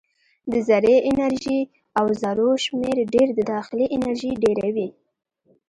د ذرې انرژي او ذرو شمیر ډېر د داخلي انرژي ډېروي.